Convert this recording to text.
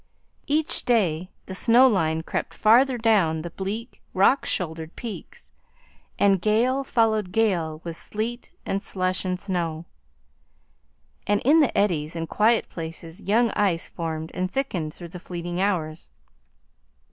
Each day the snow line crept farther down the bleak, rock shouldered peaks, and gale followed gale, with sleet and slush and snow, and in the eddies and quiet places young ice formed and thickened through the fleeting hours.